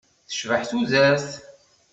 Tecbeḥ tudert.